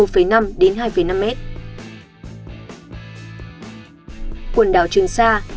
quần đảo trường sa